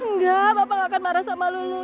enggak bapak gak akan marah sama lulu